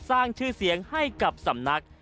สร้างชื่อเสียงให้กับสำนัก